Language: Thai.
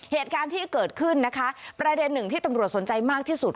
เหตุการณ์ที่เกิดขึ้นนะคะประเด็นหนึ่งที่ตำรวจสนใจมากที่สุด